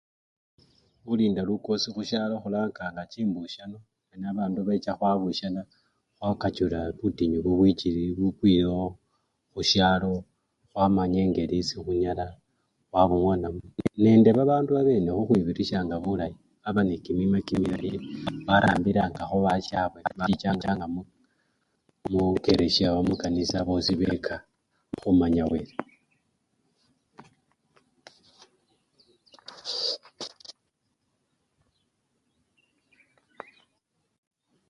Khulinda lukosi khusyalo khulanganga chimbusyano mala abandu becha khwabusyana khwakachula butinyu bubwichile bubukwilewo khusyalo khwamanya engeli yesi khunyala khwabungonamo, nende babandu babane khukhwibirisyanga bulayi baba nende kimima kimilayi bawambilangakho basyabwe nekhuchichanga mukeresya! mwikanisa bosi beka khumanya wele.